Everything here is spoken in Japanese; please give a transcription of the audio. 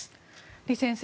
李先生